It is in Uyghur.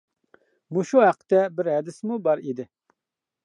مۇشۇ ھەقتە بىر ھەدىسمۇ بار ئىدى.